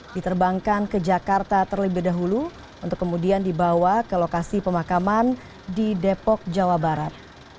diterbangkan ke jakarta terlebih dahulu untuk kemudian dibawa ke lokasi pemakaman di depok jawa barat